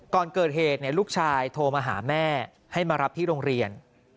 ก่อนเกิดเหตุลูกชายโทรมาหาแม่ให้มารับที่โรงเรียน